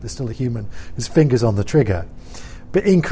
mereka masih manusia yang mempunyai tangan di trigger